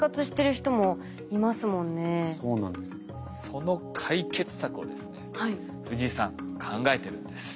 その解決策をですね藤井さん考えてるんです。